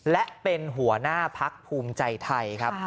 และเป็นหัวหน้าพักภูมิใจไทยครับ